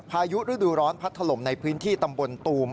พายุฤดูร้อนพัดถล่มในพื้นที่ตำบลตูม